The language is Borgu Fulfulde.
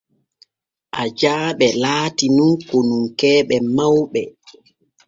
Ajaaɓe laati nun konunkeeɓe mawɓe.